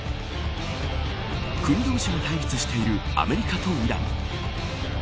国同士が対立しているアメリカとイラン。